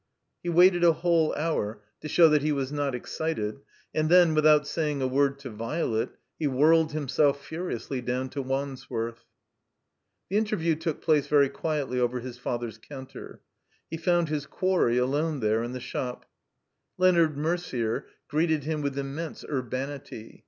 He waited a whole hour, to show that he was not exdted; and then, without saying a word to Violet, he whirled himself furiously down to Wandsworth. The interview took place very qtdetly over his father's coimter. He foimd his quarry alone there in the shop. x88 THE COMBINED MAZE Leonard Merder greeted him with immense ur banity.